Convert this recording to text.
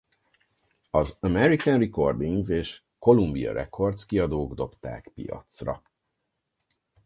Az American Recordings és Columbia Records kiadók dobták piacra.